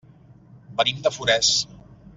Venim de Forès.